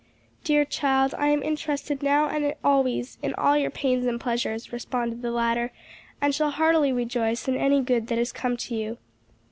"Dear child, I am interested now and always in all your pains and pleasures," responded the latter, "and shall heartily rejoice in any good that has come to you."